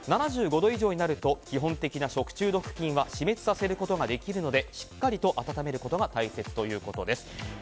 ７５度以上になると基本的な食中毒菌は死滅させることができるのでしっかりと温めることが大切ということです。